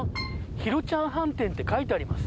広ちゃん飯店って書いてあります。